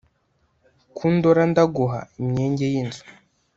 Ko undora ndaguha ?-Imyenge y'inzu